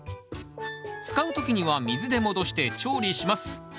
使う時には水で戻して調理します。